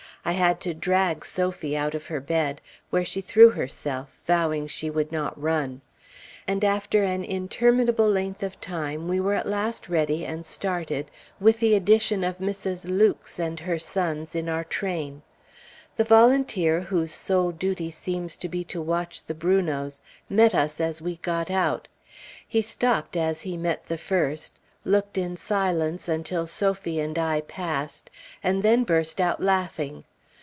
I had to drag Sophie out of her bed, where she threw herself, vowing she would not run; and after an interminable length of time, we were at last ready and started, with the addition of Mrs. Loucks and her sons in our train. The volunteer, whose sole duty seems to be to watch the Brunots, met us as we got out. He stopped as he met the first, looked in silence until Sophie and I passed, and then burst out laughing.